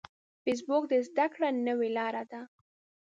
فېسبوک د زده کړې نوې لاره ده